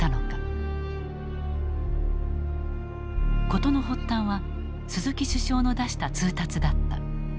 事の発端は鈴木首相の出した通達だった。